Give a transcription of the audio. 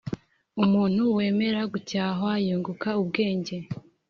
umuntu wemera gucyahwa yunguka ubwenge